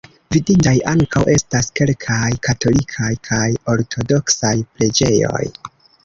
Vidindaj ankaŭ estas kelkaj katolikaj kaj ortodoksaj preĝejoj.